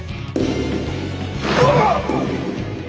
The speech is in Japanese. うわっ！